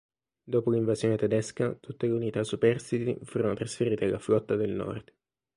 Dopo l'invasione tedesca, tutte le unità superstiti furono trasferite alla Flotta del Nord.